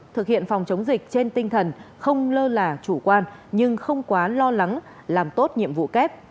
thực hiện phòng chống dịch trên tinh thần không lơ là chủ quan nhưng không quá lo lắng làm tốt nhiệm vụ kép